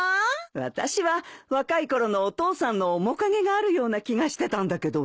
私は若いころのお父さんの面影があるような気がしてたんだけどね。